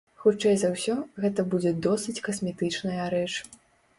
Хутчэй за ўсё, гэта будзе досыць касметычная рэч.